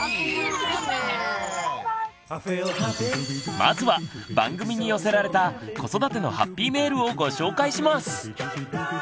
まずは番組に寄せられた子育てのハッピーメールをご紹介します。